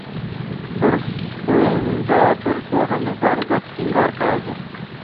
بروس کوئن د ټولنپوهنې په ارزښت ټینګار کړی دی.